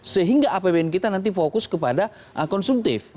sehingga apbn kita nanti fokus kepada konsumtif